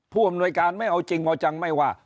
ผู้อำนวยการไม่เอาจริงเอาจังไม่ว่า